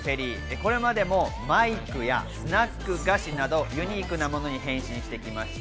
これまでもマイクやスナック菓子などユニークなものに変身してきました。